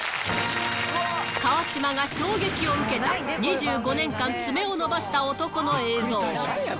川島が衝撃を受けた、２５年間爪を伸ばした男の映像。